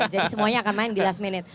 jadi semuanya akan main di last minute